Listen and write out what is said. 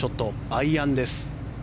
アイアンです。